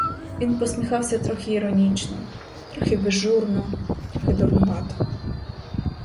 Він посміхався трохи іронічно, трохи безжурно, трохи дурнувато.